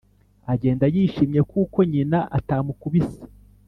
agenda yishimye, kuko nyina atamukubise.